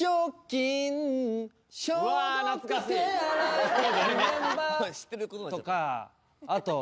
リメンバーとかあと。